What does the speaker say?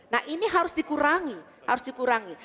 nah ini harus dikurangi